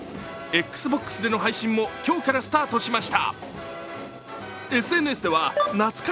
Ｘｂｏｘでの配信も今日からスタートしました。